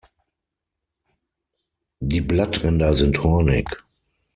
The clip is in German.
Die Blattränder sind hornig.